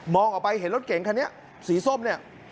ออกไปเห็นรถเก่งคันนี้สีส้มเนี่ย